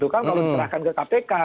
kalau diperahkan ke kpk